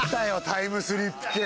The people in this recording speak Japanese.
タイムスリップ系。